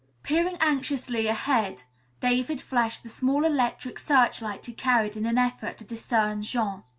Peering anxiously ahead, David flashed the small electric searchlight he carried in an effort to discern Jean.